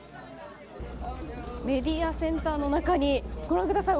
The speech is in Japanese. メディアセンターの中にご覧ください